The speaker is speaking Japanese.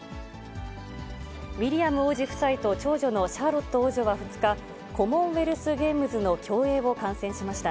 ウィリアム王子夫妻と長女のシャーロット王女は２日、コモンウェルスゲームズの競泳を観戦しました。